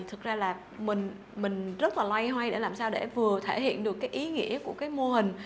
thực ra là mình rất là loay hoay để làm sao để vừa thể hiện được cái ý nghĩa của cái mô hình